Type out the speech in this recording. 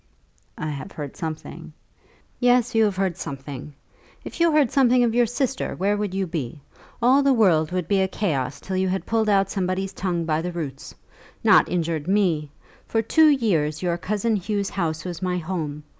"I have heard something." "Yes, you have heard something! If you heard something of your sister where would you be? All the world would be a chaos to you till you had pulled out somebody's tongue by the roots. Not injured me! For two years your cousin Hugh's house was my home.